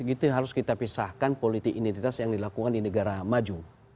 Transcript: itu yang harus kita pisahkan politik identitas yang dilakukan di negara maju